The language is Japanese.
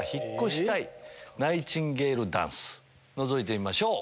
のぞいてみましょう。